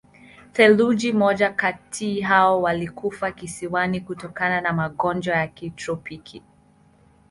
Theluji moja kati hao walikufa kisiwani kutokana na magonjwa ya kitropiki.